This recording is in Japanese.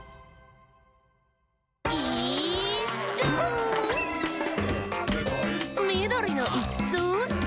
「イーッス」「みどりのイッス」